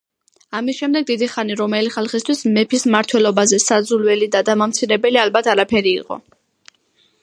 ამის შემდეგ დიდი ხანი რომაელი ხალხისთვის მეფის მმართველობაზე საძულველი და დამამცირებელი ალბათ არაფერი იყო.